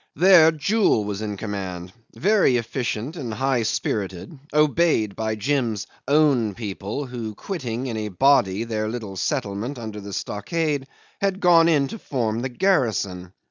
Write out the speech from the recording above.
There Jewel was in command, very efficient and high spirited, obeyed by Jim's "own people," who, quitting in a body their little settlement under the stockade, had gone in to form the garrison.